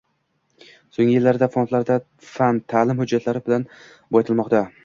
So‘nggi yillarda fondlarda fan, ta’lim hujjatlar bilan boyitilmoqda.